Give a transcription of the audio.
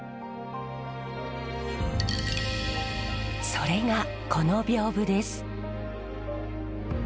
それがこの屏風です。